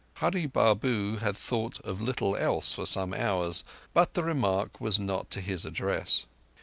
Hurree Babu had thought of little else for some hours, but the remark was not to his address.